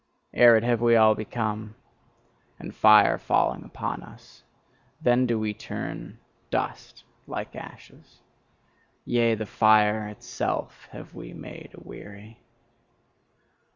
Arid have we all become; and fire falling upon us, then do we turn dust like ashes: yea, the fire itself have we made aweary.